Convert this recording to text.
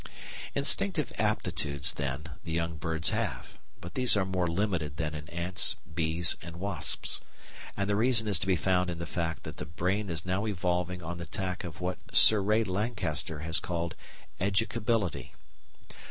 Instinctive aptitudes, then, the young birds have, but these are more limited than in ants, bees, and wasps; and the reason is to be found in the fact that the brain is now evolving on the tack of what Sir Ray Lankester has called "educability."